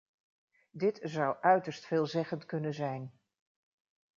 Dit zou uiterst veelzeggend kunnen zijn.